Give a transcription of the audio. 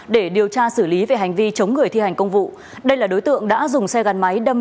để điều tra xử lý về hành vi chống người thi hành công vụ đây là đối tượng đã dùng xe gắn máy đâm